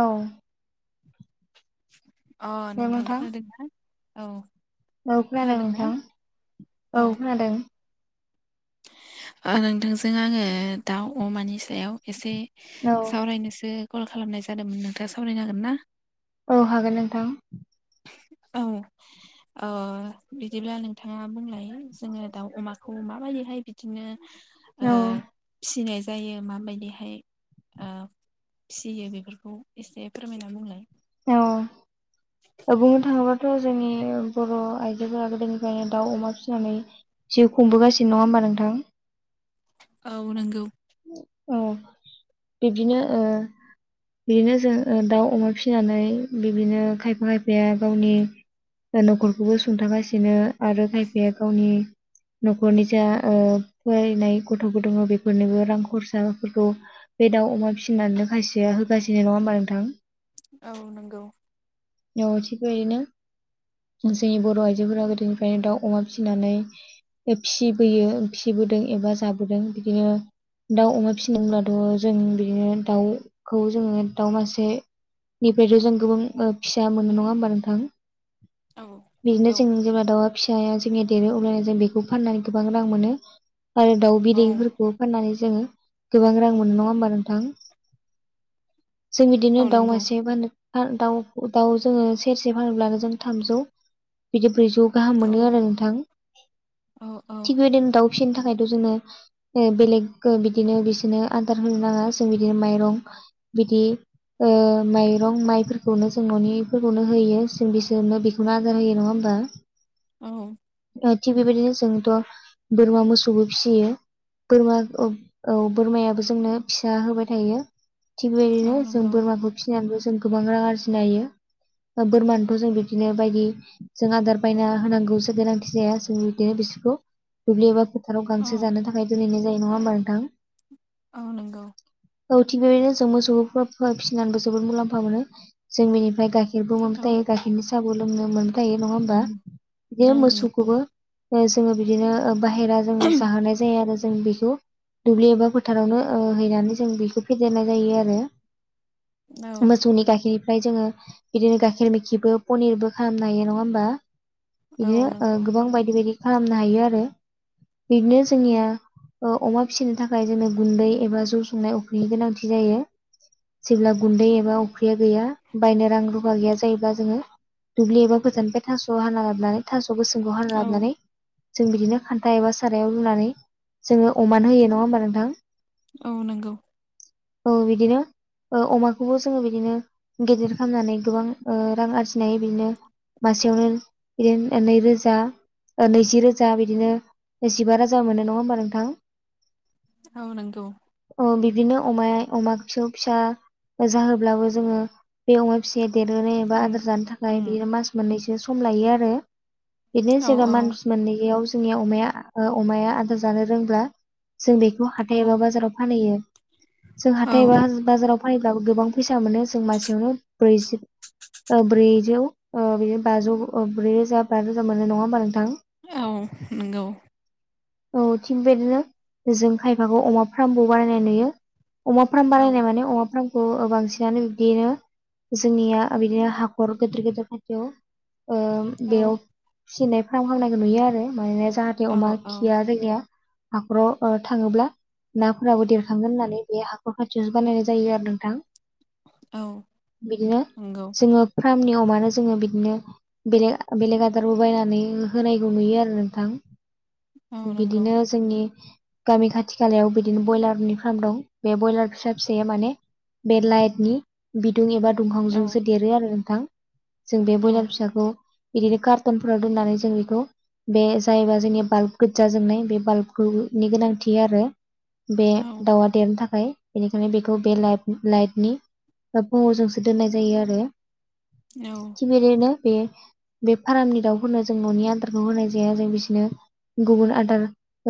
औ अ नोंथां खोनादों औ औ खोनादों खोनादोंना नोंथां औ खोनादों नोंथांजों आंङो दाउ अमानि सायाव एसे औ सावरायनोसो कल खालामनाय जादोंमोन नोंथांङा सावरायनो हांगोन ना औ हागोन नोंथां औ अ बिदिब्ला नोंथांङा बुंलायो जोंङो दाउ अमाखौ माबायदिहाय बिदिनो औ फिनाय जायो माबायदिहाय फियो बेफोरखौ एसे फोरमायना बुंलाय औ बुंनो थांङोबाथ' जोंनि बर' आइजो गोदोनिफ्रायनो दाउ अमा फिसिनानै जिउ खुंबोगासिनो नंङा होमबा नोंथां औ नंगौ औ बिबदिनो बिदिनो जों दाउ अमा फिसिनानै बिदिनो खायफा खायफाया गावनि नखरखौबो सुंथागासिनो आरो खायफाया गावनि न'खरनि जा फरायनाय गथ'फोर दंङो बेफोरनिबो रां खरसाफोरखौ बे दाउ अमा फिसिनानै खायसेया होगासिनो नंङा होमबा नोंथां औ नंगौ [unintelligible] [unintelligible] जोंनि बर' आइजोफोरा गोदोनिफ्रायनो दाउ अमा फिसिनानै फिबोयो फिबोदों एबा जाबोदों बिदिनो दाउ अमा फिसिनोब्लाथ' जों बिदिनो दाउखौ जोंङो दाउ मासे निफ्रायथ' जों गोबां फिसा मोनो नंङा होमबा नोंथां [unintelligible] [unintelligible] औ नंगौ फिसाया जोंनि देरो अब्लानो जों बेखौ फाननानै गोबां रां मोनो आरो दाउ औ बिदैफोरखौ फाननानै जोङो गोबां रां मोनो नङा होमबा नोंथां जों बिदिनो औ दाउ नंगौ मासे बा दाउ दाउ जोङो सेरसे फानोब्लानो जों थामजौ बिदि ब्रैजौ गाहाम औ मोनो आरो नोंथां औ औ थिग बेदिनो दाउ फिसिनि थाखायथ' जोङो बेलेग बिदिनो बिसोरनो आदार होनो नाङा जों बिदिनो माइरं बिदि माइरं माइफोरखौनो जों न'निफोरखौनो होयो जों बिसोरनो बेखौनो आदार होयो नङा बा औ थिग बेबायदिनो जोंथ' बोरमा मोसौबो फिसियो बोरमा औ बोरमायाबो जोंनो फिसा होबाय थायो थिग औ बेदिनो जों नंगौ बोरमाखौ फिसिनानैबो जों गोबां रां आरजिनो हायो बोरमानोथ' जों बिदिनो बायदि जों आदार बायना होनांगौसो गोनांथि जाया जों बिदिनो खौ दुब्लि एबा फोथाराव औ गांसो जानो थाखाय दोनहैनाय जायो नङा होमबा नोंथां औ नंगौ औ थिग बेबायदिनो जों मोसौफोरखौ फिसिनानैबो जोबोद मुलाम्फा मोनो जों बेनिफ्राय गायखेर खेरबो औ मोनबायथायायो गाइखेरनि साहाबु लोंनो मोनबायथायो नङा होमबा बिदिनो नंगौ मोसौखौबो जोङो बिदिनो बाहेरा जोङो जाहोनाय जायो आरो जों दुब्लि एबा फोथारावनो हैनानै जों बेखौ फेदेरनाय जायो आरो औ मोसौनि गायखेर ओमफ्राय जोङो बिदिनो गाइखेर मेखिबो पनिरबो खालामनो हायो नङा होमबा औ बिदिनो नंगौ गोबां बायदि बायदि खालामनो हायो आरो बिदिनो औ जोंनिया अमा फिसिनो थाखाय जोङो गुन्दै एबा जौ संनायनि गोनांथि जायो जेब्ला गुन्दै एबा अफिरिया गैया बायनो रां रुफा गैया जायोब्ला जोङो दुब्लि एबा गोजाननिफ्राय थास' हाना लाबनानै थास' गोसोमखौ हाना औ लाबोनानै जों बिदिनो खान्था एबा सारायाव रुनानै जोङो अमान होयो नङा होमबा नोंथां औ नंगौ औ बिदिनो अमाखौबो जोङो बिदिनो गेदेर खालामामनानै गोबां रां आरजिनाय बिदिनो मासेयावनो बिदिनो नैरोजा नैजि रोजा बिदिनो जिबा रोजा मोनो नङा होमबा नोंथां आ नंगौ बिदिनो अमाया अमा फिसौ फिसा जाहोब्लाबो जोङो बे अमा फिसाया देरहोनो एबा आं आदार जानो थाखाय उम बिनो मास मोननैसो सम लायो आरो बिदिनो औ जेब्ला औ मास मोननैयाव जोंनिया अमाया अमाया आदार जानो रोंब्ला जों बेखौ औ हाथाय एबा बाजाराव फानहैयो जों औ हाथाय एबा बाजाराव फानब्लाो गोबां फैसा मोनो जों मासेयावनो ब्रैजि ब्रैजौ बिदिनो बाजौ ब्रै रोजा ब रोजा मोननाय नङा होमबा नोंथां औ नोंगौ औ थिग बेदिनो जों खायफाखौ अमा फार्मबो बानायनाय नुयो अमाफ्राम औ बानायनाय माने अमाफ्राम खौ बांसिनानो बिब्दिनो जोंनिया बिदिनो हाखर गेदेर गेदेर खाथियाव औ बेयाव फिनाय फार्म खालामनायखौ नुयो आरो मानोना जाहाथे औ अमा औ खिया जोंनिया हाखर' थाङोब्ला नाफोराबो देरखागोन होननानै बे हाखर खाथियावसो बानायनाय जायो आरो नोंथां औ बिदिनो नंगौ जों अमानो मानो जोङो बिदिनो बेलेग बेलेग आदारबो बायनानै होनायखौ नुयो आरो नोंथां औ नंगौ बिदिनो [inaudible] गामि खाथि खालायाव बिदिनो ब्रयलारनि फार्म दं बे ब्रयलार फिसा फिसाया माने बे लाइटनि बिदुं एबा औ दुंहावजोंसो देरो आरो नोंथां जों बे औ बयलार फिसाखौ बिदिनो कार्टनफोराव दोननानै जों बेखौ बे जायोबा जोंनिया बाल्ब गोजा जोंनाय बे बाल्ब दु नि गोनांथि आरो बे औ दाउआ देरनो थाखाय। बेनिखायनो बेखौ बे लाइ-लाइटनि बा फुङावजोंसो दोननाय जायो आरो। थिग बेदिनो बियो बे फार्मनि दाउफोरनो जों न'नि आदारखौ होनाय जाया जों बिसोरनो गुबुन आदार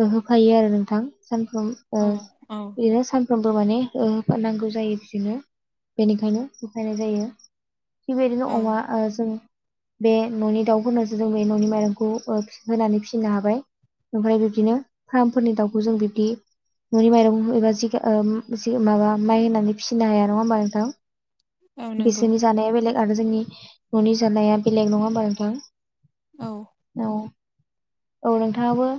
ओ होफायो आरो नोंथां सानफ्राम ओ औ औ इदिनो सान सानफ्रोमबो माने ओ नांगौ जायो बिदिनो बेनिखायनो होफायनाय जायो। थिग बेदिनो औ अमा ओ जों बे न'नि दाउफोरनसो जों बे न'नि माइरंखौ होनानै फिसिनो हाबाय ओमफ्राय बिब्दिनो फार्मफोरनि दाउखौ जों बिब्दि न'नि माइरं एबा जिगा ओ जिग माबा माइ होनानै फिसिनो हाया नङा होमबा नोंथां औ नंगौ बिसोरनि जानाया बेलेग आरो जोंनि न'नि जानाया बेलेग नङा होनोमा नोंथां औ औ। औ नोंथाङाबो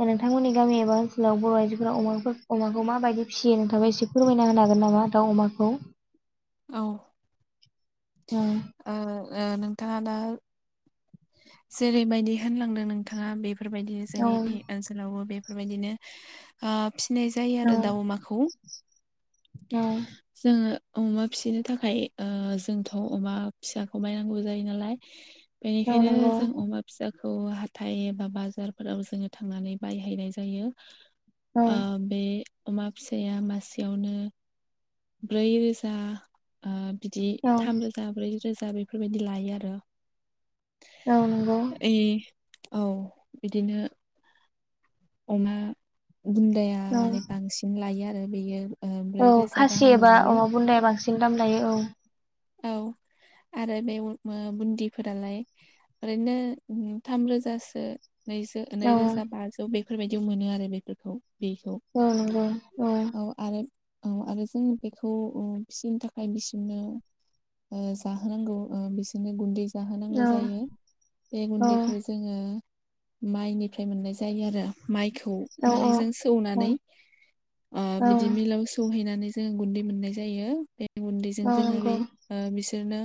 दे नोंथांमोननि गामि एबा ओनसोलाव बर' आइजोफोरा अमाफोर अमाखौ माबायदि फियो नोंथांबो एसे फोरमायना होनो हागोन नामा? बा दाउ अमाखौ औ औ ओ ओ नोंथाङा दा जेरै बायदि होनलांदों नोंथाङा बेफोर बायदि औ जोंनि ओनसोलावबो बे बेफोर बायदिनो ओ फिसिनाय जायो आरो दाउ औ अमाखौ। जोङो अमा फिसिनो थाखाय ओ जोंथ' अमा फिसाखौ बायनांगौ जायो नालाय औ बेनिखायनो नंगौ जों अमा फिसा खौ हाथाय एबा बाजारफोराव जोङो थांनानै बायहैनाय जायो। औ ओ बे अमा फिसाया मासेयावनो ब्रै रोजा ओ बिदि औ थाम रोजा ब्रै रोजा रोजा बेफोर बायदि लायो आरो। औ नंगौ। ओइ औ। बिदिनो अमा बुन्दाया औ माने बांसिन लायो आरो बेयो ओ ब्रै औ रोजा खासि गाहाम एबा लायो अमा बुन्दाया बांसिन दाम लायो। औ औ आरो बे ओ बुन्दिफोरालाय ओरैनो थाम रोजासो नैज औ नैरोजा बाजौ बेफोर बायदियाव मोनो आरो बेफोरखौ बेखौ औ नंगौ औ आरो औ आरो जों बेखौ ओ फिसिनो थाखाय बिसोरनो ओ जाहोनांगौ ओ बिसोरनो गुन्दै जाहोनांगौ औ जायो बे औ गुन्दैखौ जोङो माइनिफ्राय मोननाय जायो आरो। माइखौ औ माने जों औ सौनानै ओ औ बिदि मिलाव सौहैनानै जों गुन्दै मोननाय जायो। बे अ नंगौ ओ बिसोरनो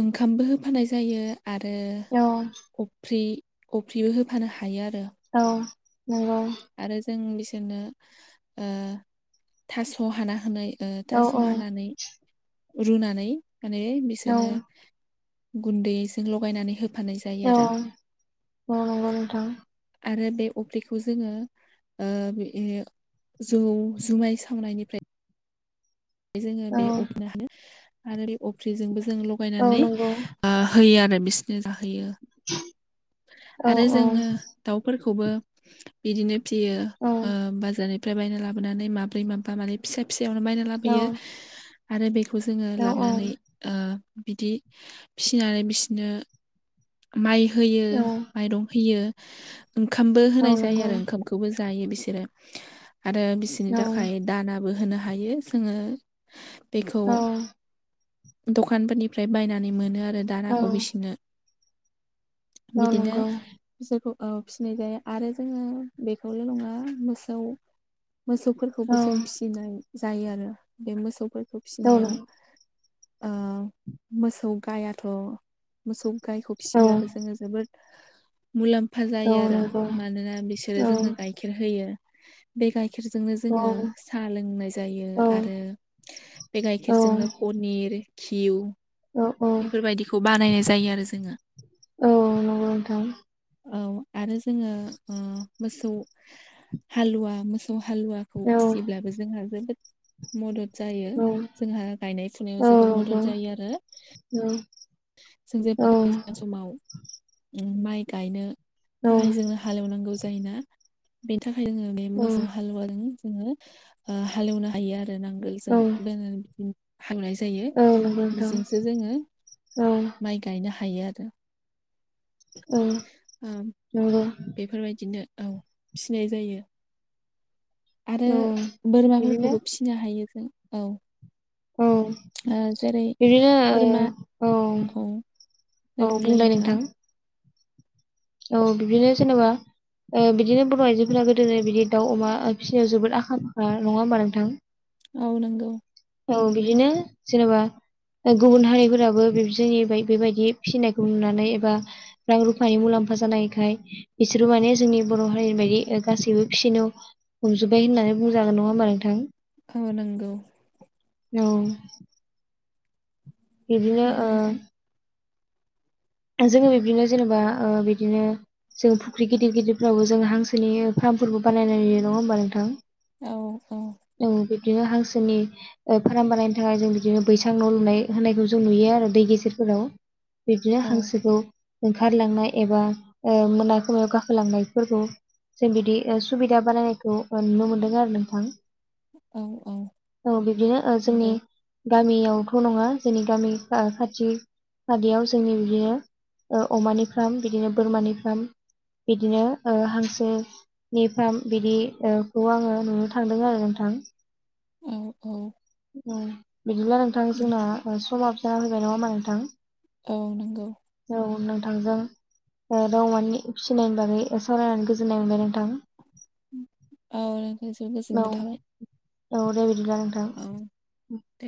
ओंखामबो होफानाय जायो आरो औ अफ्रि अफ्रिबो होफानो हायो आरो औ नंगौ आरो जों बिसोरनो ओ थास' हाना होनाय ओ औ थास' औ हानानै रुनानै माने औ बिसोरो गुन्दैजों लगायनानै हो औ-औ नंगौ नोंथां आरो बे अफ्रिखौ जोङो ओ बे जौ जुुमनाय सावनायनिफ्राय जोङो औ बे अफ्रिनो हानो आरो बे अफ्रिजोंबो जों औ लगायनानै नंगौ होयो आरो बिसनो जाहोयो [inaudible] औ आरो जोङो दाउफोरखौबो बिदिनो फिसियो ओ बाजारनिफ्राय बायना लाबोनानै माब्रै माबा माने फिसा फिसा सियावनो बायना लाबोयो आरो बेखौ जोङो औ लाबनानै आ बिदि फिसिनानै बिसोरनो माइ होयो औ माइरं होयो ओंखामबो औ होनाय जायो नंगौ आरो ओंखामखौबो जायो बिसोरो आरो बिसोरनि औ थाखाय दानाबो होनो हायो जोङो बेखौ औ दखानफोरनिफ्राय बायनानै मोनो आरो औ नंगौ औ दानाखौ बिसोनो औ बिदिनो नंगौ बिसोरखौ ओ फिसिनाय जायो आरो जोङो बेखौल' नङा मोसौ औ मोसौफोरखौबो जों फिसिनाय जायो आरो बे मोसौफोरखौ औ फिसिनायाव मोसौ गायाथ' मोसौ गायखौ फिसिब्लाबो जोङो जोबोद मुलाम्फा जायो आरो मानोना बिसोरो जोंनो गाइखेर होयो बे गाइ गाइखेरजोंनो जोङो साहा लोंनाय औ जायो आरो बे गाइखेरजोंनो पनिर घिउ औ-औ बेफोरबायदिखौ बानायनाय जायो आरो जोङो औ नंगौ नोंथां औ आरो जोङो मोसौ हालुवा मोसौ हालुवाखौ औ फिसिब्लाबो जोंहा जोबोद मदद जायो औ जोंहा गायनाय फुनायाव औ नंगौ औ जोबोद मदद जायो आरो जोंजे औ औ नंगौ [unintelligible] समाव माइ गायनो थाखाय जोंनो हाले एवनांगौ जायोना बेनि थाखाय [unintelligible] जोङो बे मोसौ हालुवाजों जोङो हालेवनो हायो आरो नांगोलजों नोंथां बे [unintelligible] हांनाय जायो औ बेजोंसो जोङो माइ गायनो हायो आरो औ ओ नंगौ बेफोरबायदिनो औ फिसिनाय जायो आरो औ बिदिनो बोरमाफोरखौबो फिसिनो हायो जों औ औ ओ जेरै बिदिनो ओ बोरमा औ दे औ बुंलाय नोंथाङा नोंथां औ बिदिनो जेनेबा ओ बिदिनो बर' आइजोफोरा गोदोनो बिदि दाउ अमा फिसिनायाव जोबोद आखा फाखा नङा होमबा नोंथां औ नंगौ औ बिदिनो जेनेबा गुबुन हारिफोराबो बि जोंनि बेबायदि फिसिनायखौ नुनानै एबा रां रुफानि मुलाम्फा मुलाम्फा जानायखाय बिसोरो माने जोंनि बर' हारिनि बायदि गासैबो फिसिनो हमजोबबाय होननानै बुंजागोन नङा होमबा नोंथां औ नंगौ औ बिदिनो ओ नंगौ नोंथां जोङो बिब्दिनो जेनेबा ओ बिदिनो जोंङो फुख्रि गिदिर गिदिरफ्रावबो जोङो हांसोनि फ्रामफोरबो बानायनाय नङा होमबा नोंथां औ-औ बिदिनो हांसोनि फार्म बानायनो थाखाय जों बिदिनो बैसां न' लुनाय होनायखौ जों नुयो आरो दै गेजेरफोराव [inaudible] बिदिनो हांसोखौ ओंखारलांनाय एबा मोनाफोराव गाखोलांनायफोरखौ जों बिदि सुबिदा बानायनायखौ नुनो मोनदों आरो नोंथां औ औ औ बिब्दिनो जोंनि नंगौ गामियावथ' नङा जोंनि गामि खाथि खाथियाव जोंनि बिदिनो अमानि फार्म बिदिनो बोरमानि फार्म बिदिनो हांसोनि फार्म बिदिखौ आङो नुनो थांदों आरो नोंथां थां ओ ओ बिदिब्ला नोंथां जोंना समाबो जाना फैबाय नङा होमबा नोंथां औ नंगौ औ नोंथांजों दाव अमानि फिसिनायनि बागै सावरायनानै गोजोननाय मोनबाय नोंथां औ नोंनिसिमबो औ गोजोननाय थाबाय औ दे बिदिब्ला औ नोंथां दे।